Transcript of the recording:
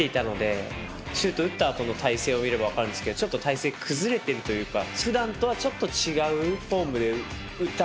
シュート打ったあとの体勢を見ればわかるんですけどちょっと体勢崩れてるというか。